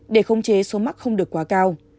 để không chế số mắc không được quá cao